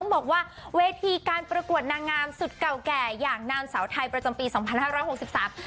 บอกว่าเวทีการประกวดนางงามสุดเก่าแก่อย่างนางสาวไทยประจำปีสองพันห้าร้อยหกสิบสาม